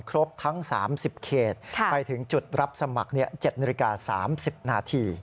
ครบทั้ง๓๐เขตไปถึงจุดรับสมัคร๗นาฬิกา๓๐นาที